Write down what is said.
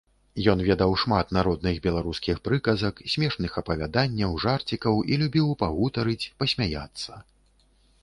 Ён ведаў шмат народных беларускіх прыказак, смешных апавяданняў, жарцікаў і любіў пагутарыць, пасмяяцца.